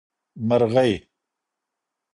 مرغۍ 🐦